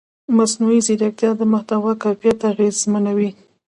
مصنوعي ځیرکتیا د محتوا کیفیت اغېزمنوي.